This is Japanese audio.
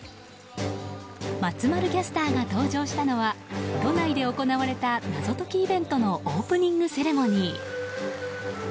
松丸キャスターが登場したのは都内で行われた謎解きイベントのオープニングセレモニー。